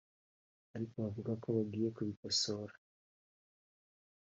ariko bavuga ko bagiye kubikosora